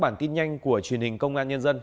bản tin nhanh của truyền hình công an nhân dân